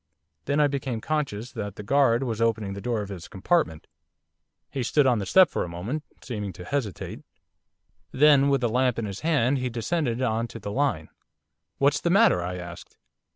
Then I became conscious that the guard was opening the door of his compartment. He stood on the step for a moment, seeming to hesitate. Then, with a lamp in his hand, he descended on to the line. 'What's the matter?' I asked.